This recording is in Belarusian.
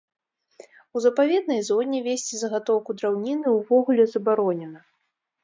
У запаведнай зоне весці загатоўку драўніны увогуле забаронена.